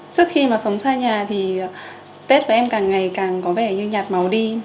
trước khi mà sống xa nhà thì tết và em càng ngày càng có vẻ như nhạt máu đi